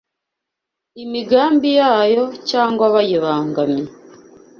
imigambi ya Yo cyangwa bayibangamiye